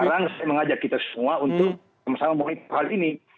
sekarang saya mengajak kita semua untuk sama sama hal ini